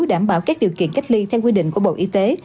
đảm bảo các điều kiện cách ly theo quy định của bộ y tế